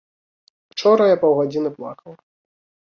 Учора я паўгадзіны плакала.